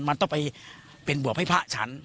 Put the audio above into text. มันต้องไปเป็นบวกให้พระฉัน